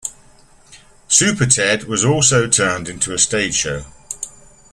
Superted was also turned into a stage show.